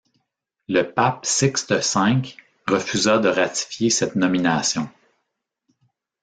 Le pape Sixte V refusa de ratifier cette nomination.